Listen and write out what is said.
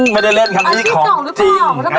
ไม่ได้เล่นมันคือของแหล่ม